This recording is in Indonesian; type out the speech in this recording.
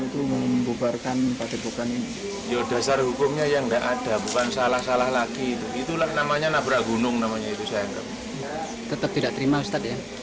tetap tidak terima ustadz ya